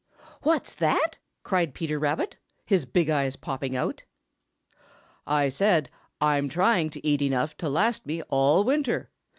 "What's that?" cried Peter Rabbit, his big eyes popping out. "I said I'm trying to eat enough to last me all winter!